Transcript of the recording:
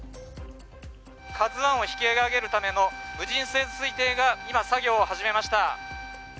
「ＫＡＺＵⅠ」を引き揚げるための無人潜水機が今、作業を始めました。